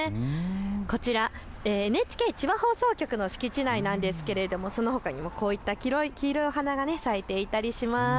こちらＮＨＫ千葉放送局の敷地内なんですけれども、そのほかにもこういった黄色いお花が咲いていたりします。